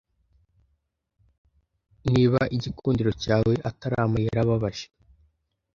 niba igikundiro cyawe atari amayeri ababaje